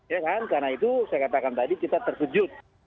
ya kan karena itu saya katakan tadi kita terkejut